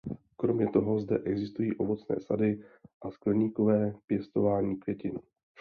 Kromě toho zde existují ovocné sady a skleníkové pěstování květin.